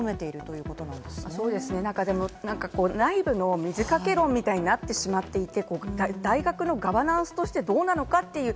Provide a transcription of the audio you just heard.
そうですが、内部の水掛け論みたいになってしまっていて、大学のガバナンスとしてどうなのかと。